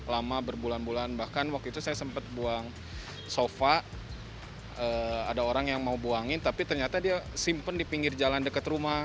lama berbulan bulan bahkan waktu itu saya sempat buang sofa ada orang yang mau buangin tapi ternyata dia simpen di pinggir jalan dekat rumah